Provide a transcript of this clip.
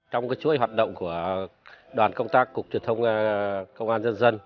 trong chuỗi hoạt động của đoàn công tác cục truyền thông công an dân dân